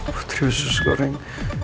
putri usus goreng